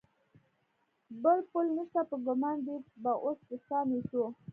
بل پل نشته، په ګمان ډېر به اوس د سان وېټو.